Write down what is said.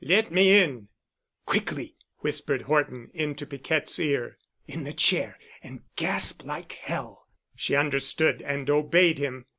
"Let me in." "Quickly!" whispered Horton, into Piquette's ear, "in the chair and gasp like hell." She understood and obeyed him.